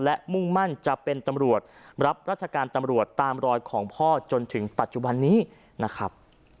และมุ่งมั่นจะเป็นตำรวจรับราชการตำรวจตามรอยของพ่อจนถึงปัจจุบันนี้นะครับ